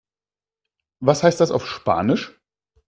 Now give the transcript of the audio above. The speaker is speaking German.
Was heißt das auf Spanisch?